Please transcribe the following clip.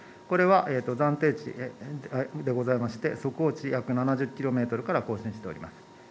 これは暫定値でございまして、速報値約７０キロメートルから更新しております。